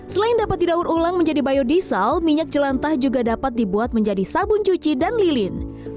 selain dapat didaur ulang menjadi biodiesel minyak jelantah juga dapat dibuat menjadi sabun cuci dan lilin